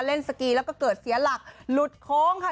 สกีแล้วก็เกิดเสียหลักหลุดโค้งค่ะ